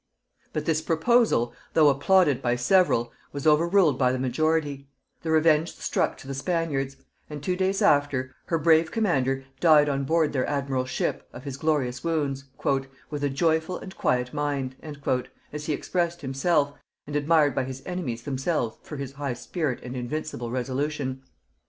But this proposal, though applauded by several, was overruled by the majority: the Revenge struck to the Spaniards; and two days after, her brave commander died on board their admiral's ship of his glorious wounds, "with a joyful and quiet mind," as he expressed himself, and admired by his enemies themselves for his high spirit and invincible resolution.